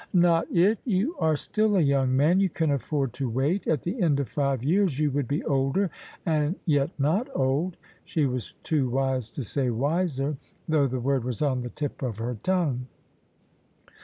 " Not it ! You are still a young man : you can afford to wait At the end of five years you would be older and — ^yet not old." She was too wise to say " wiser," though the word was on the tip of her tongue.